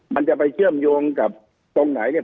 มันจะไปเชื่อมโยงกับตรงไหนเนี่ย